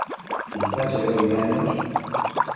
Tita chedobida nidosh?